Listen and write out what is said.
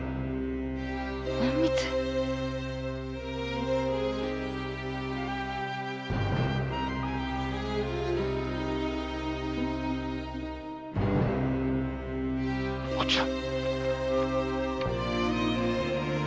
隠密⁉こっちだ！